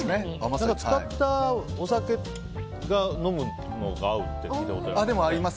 使ったお酒が飲むのが合うって聞いたことあります。